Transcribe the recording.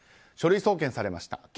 書類送検されました。